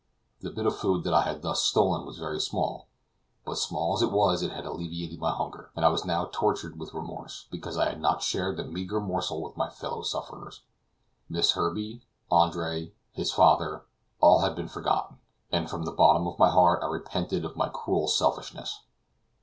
The bit of food that I had thus stolen was very small; but small as it was it had alleviated my hunger; and I was now tortured with remorse, because I had not shared the meager morsel with my fellow sufferers. Miss Herbey, Andre, his father, all had been forgotten, and from the bottom of my heart I repented of my cruel selfishness.